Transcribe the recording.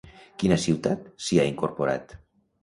Quina ciutat s'hi ha incorporat?